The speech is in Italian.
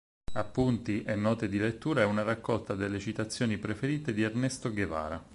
Appunti e note di lettura è una raccolta delle citazioni preferite di Ernesto Guevara.